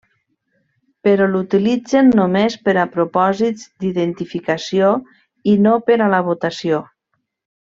Però l'utilitzen només per a propòsits d'identificació i no per a la votació.